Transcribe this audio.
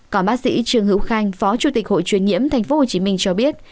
còn bác sĩ trương hữu khanh phó chủ tịch hội truyền nhiễm tp hcm cho biết